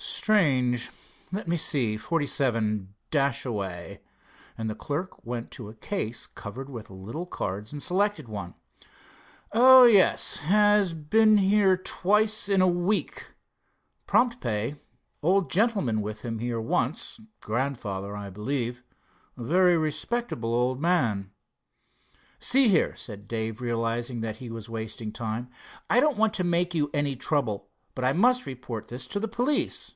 "Strange. Let me see, forty seven—Dashaway," and the clerk went to a case covered with little cards and selected one. "Oh, yes, has been here twice in a week. Prompt pay. Old gentlemen with him here once, grandfather, I believe. Very respectable old man." "See here," said Dave realizing that he was wasting time, "I don't want to make you any trouble, but I must report this to the police."